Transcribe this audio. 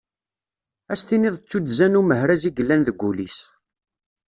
Ad as-tiniḍ d tuddza n umehraz i yellan deg wul-is.